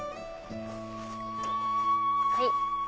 はい。